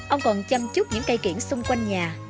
ông còn chăm chút những cây kiển xung quanh nhà